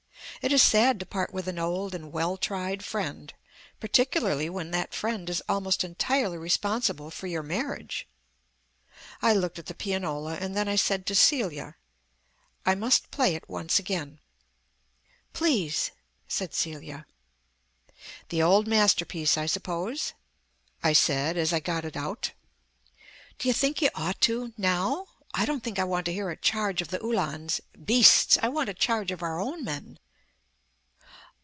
It is sad to part with an old and well tried friend, particularly when that friend is almost entirely responsible for your marriage. I looked at the pianola and then I said to Celia, "I must play it once again." "Please," said Celia. "The old masterpiece, I suppose?" I said, as I got it out. "Do you think you ought to now? I don't think I want to hear a charge of the Uhlans beasts; I want a charge of our own men."